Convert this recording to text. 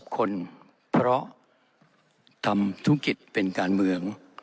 คนเพราะทำธุรกิจเป็นการเมือง